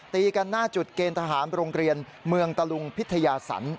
ตีกันหน้าจุดเกณฑ์ทหารโรงเรียนเมืองตะลุงพิทยาสัน